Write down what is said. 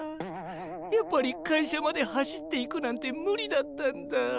やっぱり会社まで走っていくなんてむりだったんだ。